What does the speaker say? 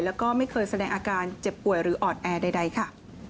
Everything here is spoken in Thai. แล้วก็ไม่เคยแสดงอาการเจ็บป่วยหรืออ่อนแอใดค่ะ